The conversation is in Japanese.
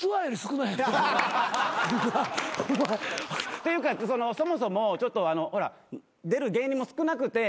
っていうかそもそもほら出る芸人も少なくて。